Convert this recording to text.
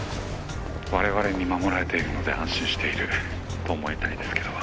我々に守られているので安心していると思いたいですけど。